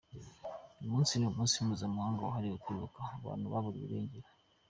Uyu munsi ni umunsi mpuzamahanga wahariwe kwibuka abantu baburiwe irengero.